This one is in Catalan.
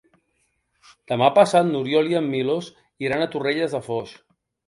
Demà passat n'Oriol i en Milos iran a Torrelles de Foix.